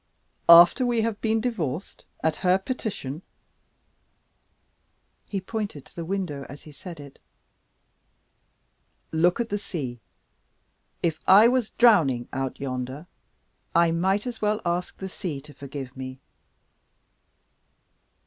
"After we have been divorced at her petition?" He pointed to the window as he said it. "Look at the sea. If I was drowning out yonder, I might as well ask the sea to forgive me."